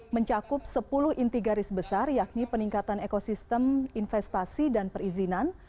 mencakup sepuluh inti garis besar yakni peningkatan ekosistem investasi dan perizinan